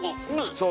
そう！